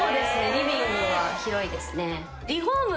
リビングは広いですね。